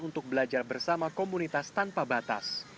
untuk belajar bersama komunitas tanpa batas